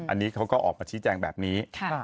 อันนี้เขาก็ออกมาชี้แจงแบบนี้